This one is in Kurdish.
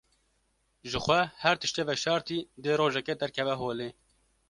Jixwe her tiştê veşartî dê rojekê derkeve holê.